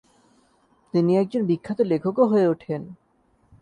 তিনি একজন বিখ্যাত লেখকও হয়ে ওঠেন।